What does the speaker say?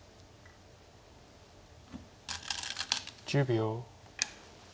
１０秒。